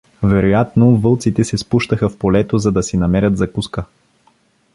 Вероятно вълците се спущаха в полето, за да си намерят закуска.